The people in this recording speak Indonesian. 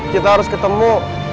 kita harus ketemu